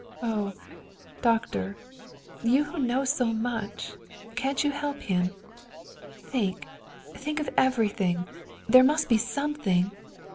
"Oh, Doctor, you who know so much, can't you help him? Think, think of everything; there must be something!